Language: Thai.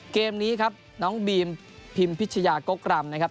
เกมนี้ครับน้องบีมพิมพิชยากกรำนะครับ